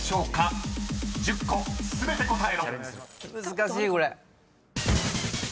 難しいこれ。